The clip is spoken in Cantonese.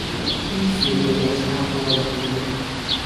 於是你又撐過來了